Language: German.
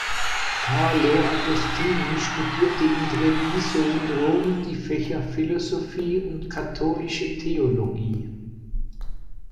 Carlo Agostini studierte in Treviso und Rom die Fächer Philosophie und Katholische Theologie.